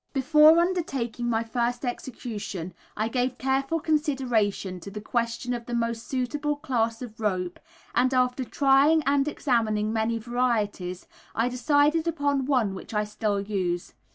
Before undertaking my first execution I gave careful consideration to the question of the most suitable class of rope, and after trying and examining many varieties, I decided upon one which I still use.